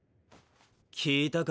聞いたか？